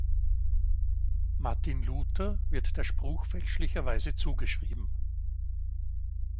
Martin Luther wird der Spruch fälschlicherweise zugeschrieben.